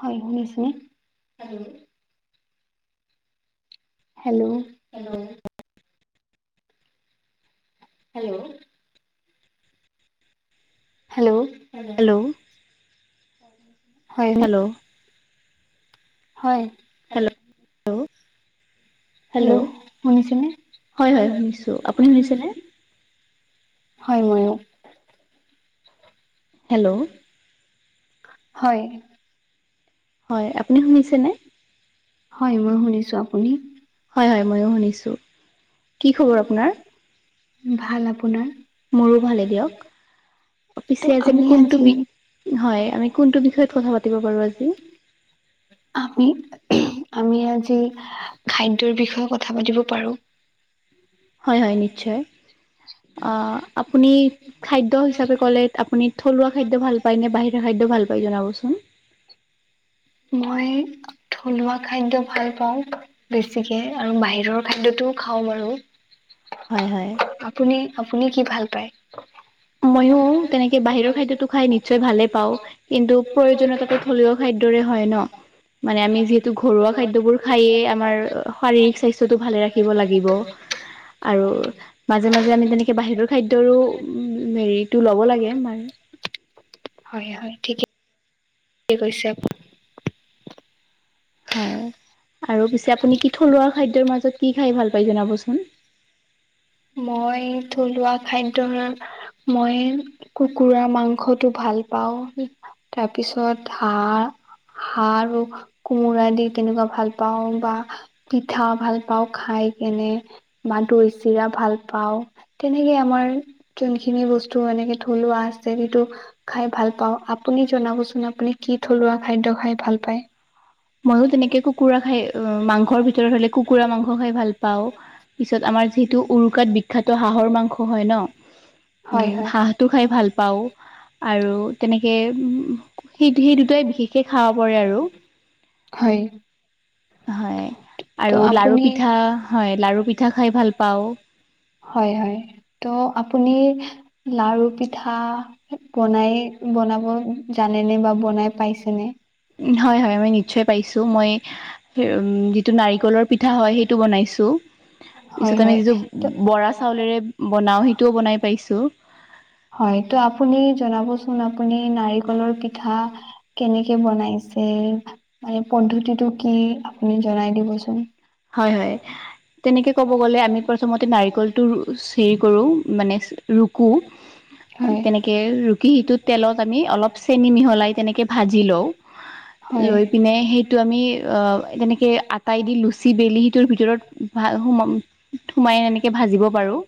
হয় শুনিছে? Hello, hello, hello, hello, hello, hello, হয় হেল্ল' [unintelligible] হয় হেল্ল', [unintelligible] হেল্ল', শুনিছেনে? হয় -হয় শুনিছোঁ আপুনি শুনিছেনে? হয় ময়ো হেল্ল', হয়। হয় আপুনি শুনিছেনে [unintelligible] হয় মই শুনিছো আপুনি? হয়-হয় মইয় শুনিছো কি খবৰ আপনাৰ? ভাল আপোনাৰ? মোৰো ভালেই দিয়ক। পিছে আজি আমি কোনটো বি হয় আমি কোনটো বিষয়ত কথা পাতিব পাৰো আজি। আমি আমি আজি খাদ্যৰ বিষয়ে কথা পাতিব পাৰো। হয় হয় নিশ্চয় আপুনি খাদ্য হিচাপে ক'লে আপুনি থলুৱা খাদ্য ভাল পায় নে বাহিৰা খাদ্য ভাল পায় জনাবচোন? মই থলুৱা খাদ্য ভাল পাওঁ। বেছিকে আৰু বাহিৰৰ খাদ্যটোও খাওঁ বাৰু। হয় হয় আপুনি আপুনি কি ভাল পায়? ময়ো তেনেকে বাহিৰৰ খাদ্যতো খাই নিশ্চয় ভালে পাওঁ কিন্তু প্ৰয়োজনীয়তাটো থলুৱা খাদ্যৰে হয় ন। মানে আমি যিহেতু ঘৰুৱা খাদ্যবোৰ খাইয়ে আমাৰ শাৰীক স্বাস্থ্যটো ভালে ৰাখিব লাগিব। আৰু মাজে মাজে আমি তেনেকে বাহিৰৰ খাদ্যৰো উ হেৰিটো ল'ব লাগে। আমাৰ হয়, হয়, ঠিকে। কি কৈছে আপ? হয় আৰু পিছে আপুনি কি থলুৱা খাদ্যৰ মাজত কি খাই ভাল পায় জনাবচোন? মই থলুৱা খাদ্যৰ মই কুকাৰ মাংসটো ভাল পাওঁ। তাৰপিছত হাঁহ হাঁহ আৰু কোমোৰা। দি কেনেকুৱা ভাল পাওঁ বা পিঠা ভাল পাওঁ খাই কেনে মা দৈ চিৰা ভাল পাওঁ। তেনেকে আমাৰ যোনখিনি বস্তু এনেকে থলুৱা আছে সেইটো। খাই ভাল পাওঁ আপুনি জনাবচোন আপুনি কি থলুৱা খাদ্য খাই ভাল পায়? মইও তেনেকে কুকুৰা খাই মাংসৰ ভিতৰত হলে কুকুৰা মাংস খাই ভাল পাওঁ। পিছত আমাৰ যিহেতু উৰুকাত বিখ্যাত হাঁহৰ মাংস হয় ন হয় উম হয় হাঁহ। টো খাই ভাল পাওঁ। আৰু তেনেকে সেই সেই দুটাই বিশেষকে খাব পৰে আৰু হয় হয় আৰু ত' লাৰু আপুনি পিঠা হয় লাৰু পিঠা খাই ভাল পাওঁ। হয় হয় ত' আপুনি লাৰু পিঠা বনাই বনাব জানেনে বা বনাই পাইছেনে? হয় হয় মই নিশ্চয় পাইছো। মই উম যিটো নাৰিকলৰ পিঠা হয় সেইটো বনাইছো। হয় পিছত আমি হয় যিটো ত বৰা চাউলেৰে বনাও সেইটোও বনাই পাইছো। হয় ত' আপুনি জনাবচোন আপুনি নাৰিকলৰ পিঠা কেনেকে বনাইছে মানে পদ্ধতিটো কি আপুনি জনাই দিবচোন হয় হয় তেনেকৈ ক'ব গ'লে আমি প্ৰথমতে নাৰিকলটো চিৰি কৰোঁ মানে ৰুকোঁ [inaudible] তেনেকে ৰুকি সিটোত তেলত আমি অলপ চেনি মিহলাই তেনেকে ভাজি লও হয় নে সেইটো আমি অ তেনেকে আটাই দি লো চি বেলি সিটোৰ ভিতৰত ভ সুমাই এনেকে ভাজিব পাৰো।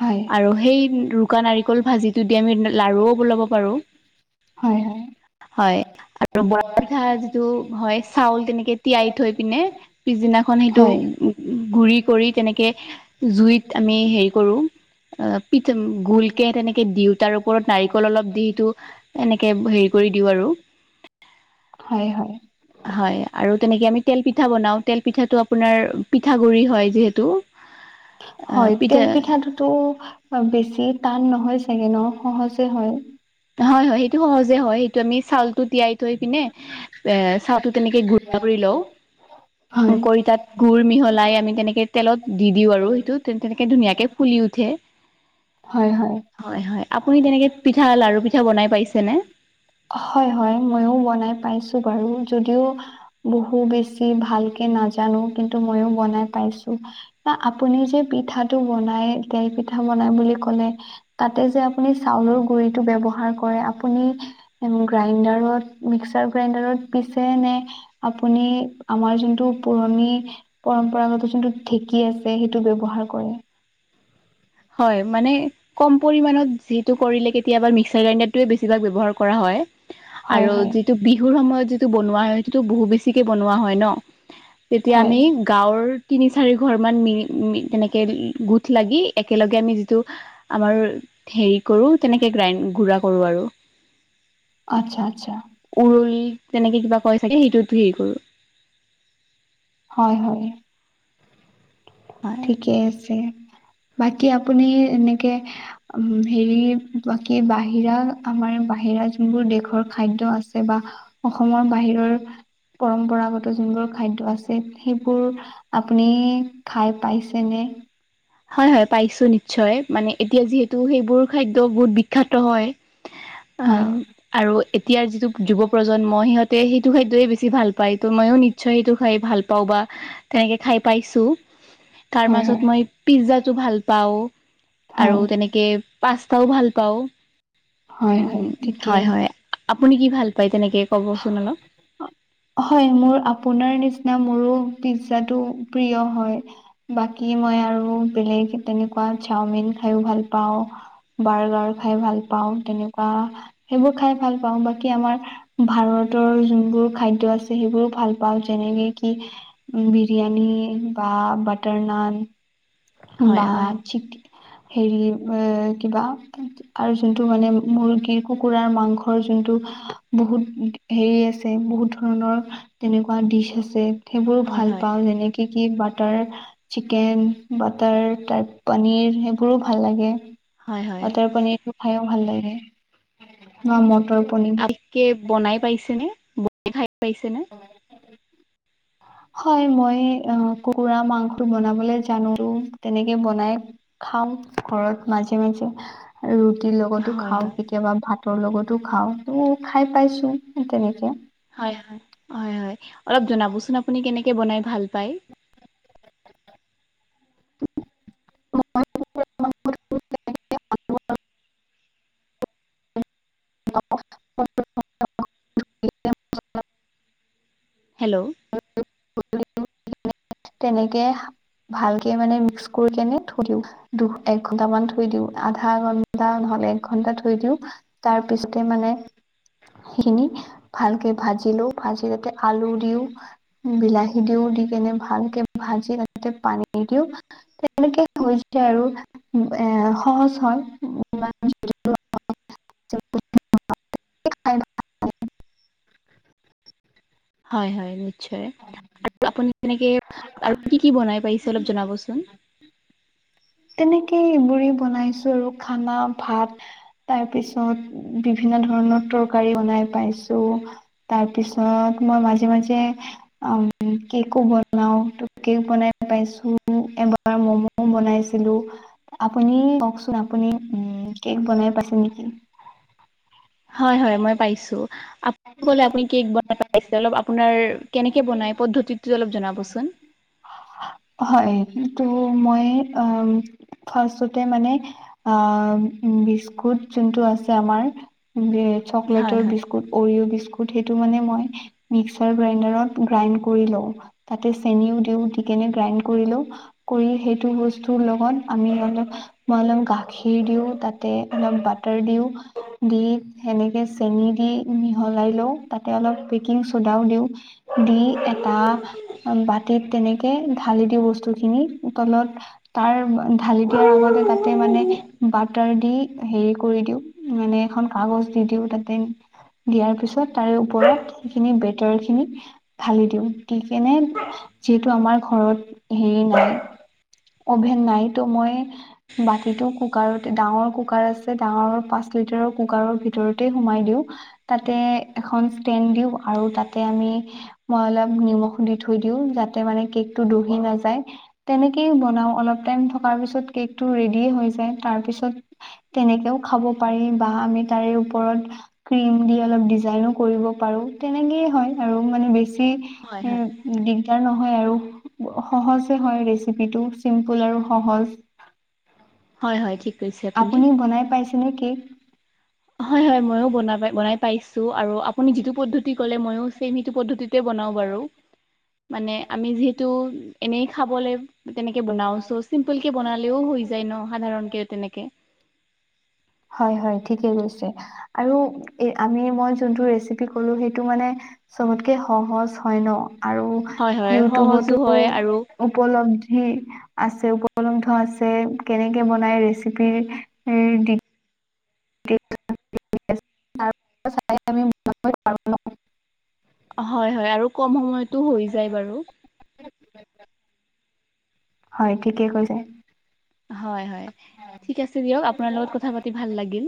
হয় আৰু সেই ৰুকা নাৰিকল ভাজিটো দি আমি লাৰুও বলাব পাৰো হয় হয় হয় আৰু বৰা পিঠা যিটো হয় চাউল তেনেকে তিয়াই থৈ পিনে পিছদিনা সেইটো হয় গুৰি কৰি তেনেকে জুইত আমি হেৰি কৰো অ পিঠম গোল তেনেকে দিওঁ তাৰ ওপৰত নাৰিকল অলপ দি সিটো এনেকে হেৰি কৰি দিও আৰু [inaudible] হয় হয় হয় আৰু তেনেকে আমি তেল পিঠা বনাও তেল পিঠাটো আপোনাৰ পিঠাগুৰি হয় যিহেতু এ পিঠা ঠাতো বেছি টান নহয় চাগে ন সহজে হয় হয় হয় সেইটো সহজে হয় সেইটো আমি চাউলটো তিয়াই থৈ পিনে এ চাউলটো তেনেকে গুড়া হয় গুৰ মিহলাই আমি তেনেকে তেলত দি দিওঁ আৰু সেইটো তেন তেনেকে ধুনীয়াকে ফুলি উঠে হয় হয় আপুনি তেনেকে পিঠা লাৰু পিঠা বনাই পাইছে ন হয় হয় ময়ও বনাই পাইছো বাৰু যদিও বহু বেছি ভালকে নাজানো কিন্তু ময়ো বনাই পাইছো না আপুনি যে পিঠাটো বনাই তেল পিঠা বনাই বুলি কলে তাতে যে আপুনি চাউলৰ গুৰিটো ব্যৱহাৰ কৰে আপুনি গ্ৰাইণ্ডাৰত মিক্সাৰ গ্ৰাইণ্ডাৰত পিছে নে আপুনি আমাৰ যোনটো পুৰণি পৰম্পৰাগত যোনটো ঢেঁকী আছে সেইটো ব্যৱহাৰ কৰে হয় মানে কম পৰিমাণত যিটো কৰিলে কেতিয়াবা মিক্সাৰ গ্ৰাইণ্ডাৰটোৱে বেছিভাগ ব্যৱহাৰ কৰা হয় হয় আৰু হয় যিটো বিহুৰ সময়ত যিটো বনোৱা হয় সেইটো বহু বেছিকে বনোৱা হয় ন তেতিয়া হয় আমি গাঁৱৰ তিনি চাৰি ঘৰ মান মি মি তেনেকে গোঠ লাগি একেলগে আমি যিটো আমাৰ হেৰি কৰো তেনেকে গ্ৰাইন গুৰা কৰোঁ আৰু আচ্ছা আচ্ছা উৰুলি তেনেকে কিবা কয় চাগে সেইটো হেৰি কৰো হয় হয় হয় ঠিকে আছে বাকী আপুনি এনেকে হেৰি বাকী বাহিৰা আমাৰ বাহিৰা যোনবোৰ দেশৰ খাদ্য আছে বা অসমৰ বাহিৰৰ পৰম্পৰাগত যোনবোৰ খাদ্য আছে সেইবোৰ আপুনি খাই পাইছেনে হয় হয় পাইছো নিশ্চয় মানে এতিয়া যিহেতু সেইবোৰ খাদ্য বহুত বিক খ্যাত হয় হয় আহ আৰু এতিয়াৰ যিটো যুৱ প্ৰজন্ম সিহঁতে সে সেটো খাদ্যয়ে বেছি ভাল পায় ত' মইও নিশ্চয় সেইটো খাই ভাল পাওঁ বা তেনেকে খাই পাইছো তাৰ হয় হয় মাজত মই পিজ্জাটো ভাল পাওঁ হয় আৰু তেনেকে পাস্তাও ভাল পাওঁ হয় উম হয় ঠিকেই হয় হয় আপুনি কি ভাল পায় তেনেকে কবচোন অলপ হয় মোৰ আপোনাৰ নিচিনা মোৰো পিজ্জাটো প্ৰিয় হয়। বাকী মই আৰু বেলেগ তেনেকুৱা চাওমিন খায়ো ভাল পাওঁ বাৰ্গাৰ খাই ভাল পাওঁ তেনেকুৱা সেইবোৰ খাই ভাল পাওঁ বাকী আমাৰ ভাৰতৰ যোনবোৰ খাদ্য আছে সেইবোৰো ভাল পাওঁ যেনেকে কি বিৰিয়ানি বা বাটাৰ নান হয় বা হয় চিকে হেৰি এ কিবা আৰু যোনটো মানে মুৰ্গীৰ কুকুৰাৰ মাংসৰ যোনটো বহুত হেৰি আছে বহুত ধৰণৰ তেনেকুৱা ডিচ আছে সেইবোৰো হয় ভাল হয় পাওঁ যেনেকে কি কি বাটাৰ চিকেন বাটাৰ তাৰ পনীৰ সেইবোৰো ভাল লাগে হয় হয় বাটাৰ পনিৰটো খায়ো ভাল লাগে ন মটৰ পনিৰ কে বনাই পাইছেনে বনাই খাই পাইছেনে [unintelligible] হয়, মই কুকুৰা মাংসটো বনাবলৈ জানো তেনেকে বনাই খাও ঘৰত মাজে-মাজে ৰুটিৰ লগতো হয় হয় খাও কেতিয়াবা ভাত। ভাতৰ লগতো খাও, তো খাই পাইছো তেনেকে হয়-হয়-হয়-হয় অলপ জনাব চোন আপুনি কেনেকে বনাই ভাল পায়। [unintelligible] [unintelligible] অ, অ। [unintelligible] হেল্ল'। তেনেকে ভালকে মানে মিক্স কৰি কেনে থৈ দিও। দু, এক ঘন্টামান থৈ দিও। আধা ঘন্টা নহ'লে এক ঘন্টা থৈ দিও। তাৰপিছতে মানে সিখিনি ভালকে ভাজি লও, ভাজি তাতে আলু দিও। বিলাহী দিও, দি কেনে ভালকে ভাজি তাতে পানী দি দিও। তেনেকে হৈছে আৰু এ সহজ হয় [unintelligible] খাই হয়, হয় নিশ্চয় আৰু আপুনি কেনেকে আৰু কি কি বনাই পাইছে অলপ জনাবচোন। তেনেকে এইবোৰে বনাইছো আৰু খানা ভাত তাৰ পিছত বিভিন্ন ধৰণৰ তৰকাৰী বনাই পাইছো। তাৰপিছত মই মাজে-মাজে কেকো বনাও ত' কেক বনাই পাইছো এবাৰ মমও বনাইছো। আপুনি কওঁকচোন আপুনি উম কেক বনাই পাইছে নেকি? হয়, হয় মই পাইছো। আপুনি ক'লে কেক বনাই পাইছে। অলপ আপোনাৰ কেনেকে বনাই পদ্ধতিটো অলপ জনাবচোন। হয় তো মই অ' ফাৰ্ষ্টতে মানে আ বিস্কুট যোনটো আছে আমাৰ হয় চকলেটৰ হয় বিস্কুট, অৰিঅ' বিস্কুট। সেইটো মানে মই মিক্সাৰ গ্ৰাইণ্ডাৰত গ্ৰাইণ্ড কৰি লও। তাতে চেনিও দিও, দি কেনে গ্ৰাইণ্ড কৰি লও কৰি সেইটো হৈছে বস্তুৰ লগত আমি অলপ মই অলপ গাখীৰ দিও, তাতে অলপ বাটাৰ দিও। দি সেনেকে চেনি দি মিহলাই লও তাতে অলপ পি বেকিং চদাও দিও, দি এটা বাতিত তেনে ঢালি দি বস্তু খিনি তলত তাৰ ঢালি দিয়াৰ আগতে তাতে মানে বাটাৰ দি হেৰি কৰি দিও মানে এখন কাগজ দি দিও তাতে। দিয়াৰ পিছত তাৰে ওপৰত সেইখিনি বেটাৰ খিনি ঢালি দিও, দি কেনে যিহেতু আমাৰ ঘৰত হেৰি নাই। অভেন নাই ত' মই বাতিটো কুকাৰতে ডাঙৰ কুকাৰ আছে। ডাঙৰ পাঁচ লিটাৰৰ কুকাৰৰ ভিতৰতে সোমাই দিওঁ। তাতে এখন ষ্টেণ্ড দিও আৰু তাতে আমি মই অলপ নিমখ দি থৈ দিও যাতে মানে কেকটো দহি নাযায় তেনেকেই বনাও। অলপ টাইম থকাৰ পিছত কেকটো ৰেডি হৈ যায় তাৰপিছত তেনেকেও খাব পাৰি বা আমি তাৰে ওপৰত ক্ৰীম দি অলপ ডিজাইনো কৰিব পাৰো তেনেকেই হয় আৰু মানে বেছি। হয় উ, হয় দিগদাৰ নহয় আৰু সহজে হয় ৰেচিপিটো। চিম্পুল আৰু সহজ, হয় হয় ঠিক কৈছে আপুনি বনাই পাইছেনে কেক? হয়, হয় ময়ো বন বনাই পাইছো আৰু আপুনি যিটো পদ্ধতি ক'লে ময়ো ছেম সেইটো পদ্ধতিতে বনাও বাৰু। [inaudible] মানে আমি যিহেতু এনেই খাবলে তেনেকে বনাও চ চিম্পুল কে বনালেও হয় যাই যায় ন সাধাৰণ কিয় তেনেকে। হয় হয় ঠিকে কৈছে। আৰু এ আমি মই যোনটো ৰেচিপি কলো সেইটো মানে চবতকে সহজ হয় ন আৰু হয় হয় সহজো ইউটিউবতো হয় আৰু উপলব্ধি আছে উপলব্ধ আছে কেনেকে বনাই ৰেচিপি দি- [unintelligible] চাই আমি মো- হয়, হয় আৰু কম সময়তো হৈ যায় বাৰু। হয় ঠিকেই কৈছে। হয়, হয় ঠিক আছে দিয়ক আপোনাৰ লগত কথা পাতি ভাল লাগিল।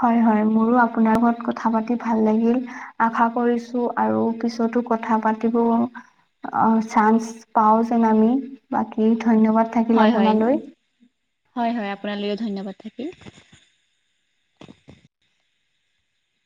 হয়, হয় মোৰো আপোনাৰ লগত কথা পাতি ভাল লাগিল। আশা কৰিছো আৰু পিছতো কথা পাতিব। অ চান্স পাওঁ যেন আমি বাকী ধন্যবাদ। থাকিল হয়, হয়, আপোনালৈ। হয়, হয় আপোনালৈও ধন্যবাদ থাকিল।